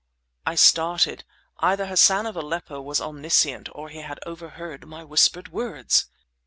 I started. Either Hassan of Aleppo was omniscient or he had overheard my whispered words!